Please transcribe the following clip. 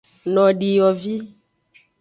Nodiyovi.